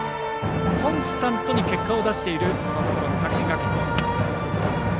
コンスタントに結果を出しているこのところの作新学院。